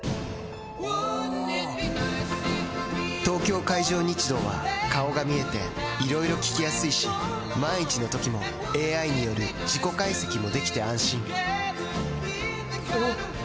東京海上日動は顔が見えていろいろ聞きやすいし万一のときもＡＩによる事故解析もできて安心おぉ！